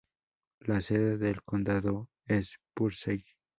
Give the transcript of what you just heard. La sede del condado es Purcell.